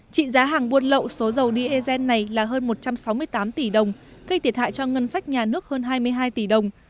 trị giá hàng buôn lậu số dầu diesel này là hơn một trăm sáu mươi tám tỷ đồng gây thiệt hại cho ngân sách nhà nước hơn hai mươi hai tỷ đồng